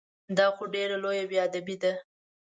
دا خو ډېره لویه بې ادبي ده!